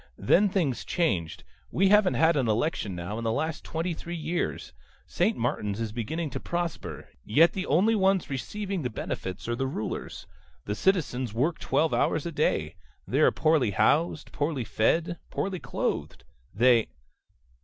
Then things changed. We haven't had an election now in the last twenty three years. St. Martin's is beginning to prosper. Yet the only ones receiving the benefits are the rulers. The citizens work twelve hours a day. They are poorly housed, poorly fed, poorly clothed. They